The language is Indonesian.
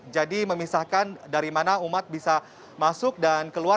jadi memisahkan dari mana umat bisa masuk dan keluar